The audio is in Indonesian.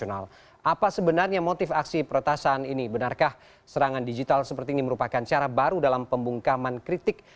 apa sebenarnya motif aksi peretasan ini benarkah serangan digital seperti ini merupakan cara baru dalam pembungkaman kritik